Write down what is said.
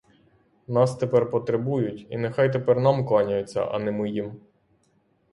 Нас тепер потребують, і нехай тепер нам кланяються, а не ми їм.